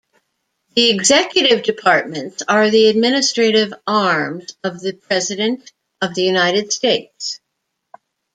The executive departments are the administrative arms of the President of the United States.